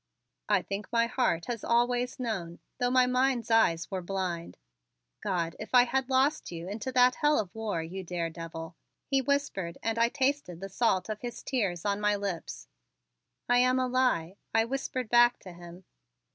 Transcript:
"I think my heart has always known, though my mind's eyes were blind. God, if I had lost you into that hell of war, you daredevil!" he whispered and I tasted the salt of his tears on my lips. "I am a lie," I whispered back to him.